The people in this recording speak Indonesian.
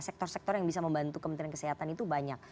sektor sektor yang bisa membantu kementerian kesehatan itu banyak